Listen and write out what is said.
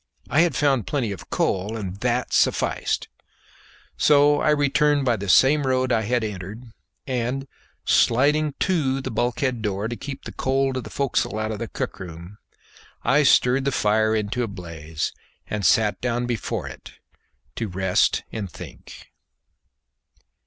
I had found plenty of coal, and that sufficed. So I returned by the same road I had entered, and sliding to the bulkhead door to keep the cold of the forecastle out of the cook room, I stirred the fire into a blaze and sat down before it to rest and think.